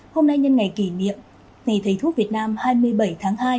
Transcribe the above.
hôm nay nhân ngày kỷ niệm ngày thầy thuốc việt nam hai mươi bảy tháng hai